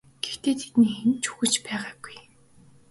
Гэхдээ тэдний хэн нь ч үхэж байгаагүй.